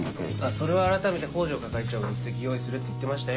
それはあらためて北条係長が一席用意するって言ってましたよ。